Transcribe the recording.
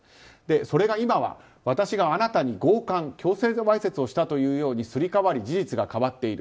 それが今は、私があなたに強姦、強制わいせつをしたというようにすり替わり、事実が変わっている。